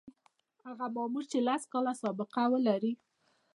هغه مامور چې لس کاله سابقه ولري.